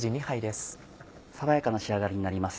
爽やかな仕上がりになります